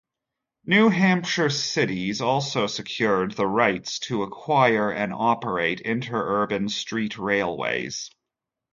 New Hampshire cities also secured the rights to acquire and operate interurban street railways.